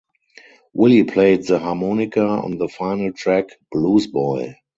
Willie played the harmonica on the final track "Blues Boy".